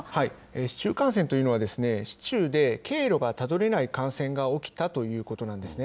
市中感染というのは、市中で経路がたどれない感染が起きたということなんですね。